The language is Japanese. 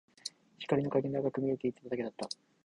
光の加減で赤く見えていただけだった